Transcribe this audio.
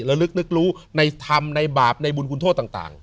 ลึกนึกรู้ในธรรมในบาปในบุญคุณโทษต่าง